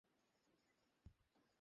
সেটা কখন ঘটল?